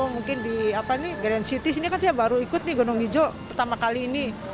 mungkin di grand city sini kan saya baru ikut nih gunung hijau pertama kali ini